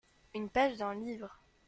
Une page d’un livre.